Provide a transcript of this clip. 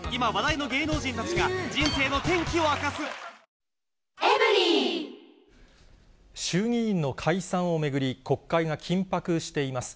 史上Ｎｏ．１抗菌衆議院の解散を巡り、国会が緊迫しています。